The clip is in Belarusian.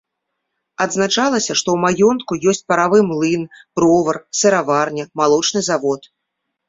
Адзначалася, што ў маёнтку ёсць паравы млын, бровар, сыраварня, малочны завод.